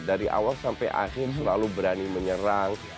dari awal sampai akhir selalu berani menyerang